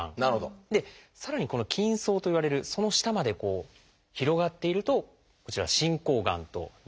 でさらにこの「筋層」といわれるその下まで広がっているとこちらは進行がんとなるんです。